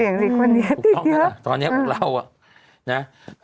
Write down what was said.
เสี่ยงสีคนนี้ที่เยอะ